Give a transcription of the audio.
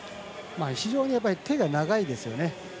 非常に手が長いですよね。